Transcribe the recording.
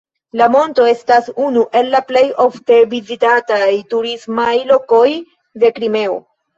La monto estas unu el la plej ofte vizitataj turismaj lokoj de Krimeo.